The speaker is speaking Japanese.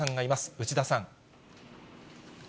内田さん。